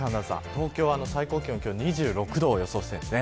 東京は最高気温２６度を予想してます。